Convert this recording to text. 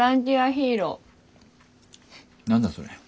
何だそれ。